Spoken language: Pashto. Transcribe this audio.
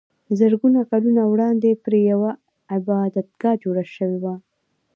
زرګونه کلونه وړاندې پرې یوه عبادتګاه جوړه شوې وه.